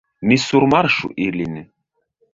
Ni surmarŝu ilin.